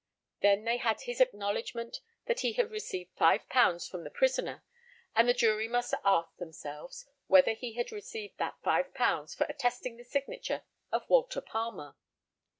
Then they had his acknowledgment that he had received £5 from the prisoner; and the jury must ask themselves whether he had received that £5 for attesting the signature of Walter Palmer.